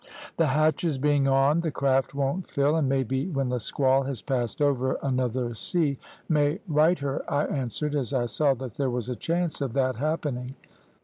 "`The hatches being on, the craft won't fill, and maybe when the squall has passed over another sea may right her,' I answered, as I saw that there was a chance of that happening.